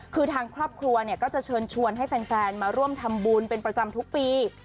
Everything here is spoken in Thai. คือทางครอบครัวเนี่ยก็จะเชิญชวนให้แฟนมาร่วมทำบุญเป็นประจำทุกปี